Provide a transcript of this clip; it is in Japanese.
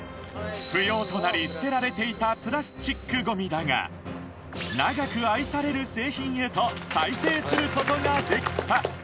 不要となり捨てられていたプラスチックゴミだが長く愛される製品へと再生する事ができた